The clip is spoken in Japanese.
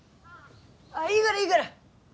ああいいがらいいがら。